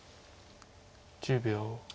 １０秒。